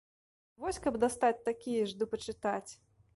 Вось каб дастаць такія ж ды пачытаць.